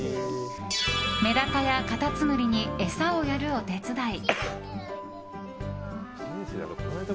メダカやカタツムリに餌をやるお手伝い。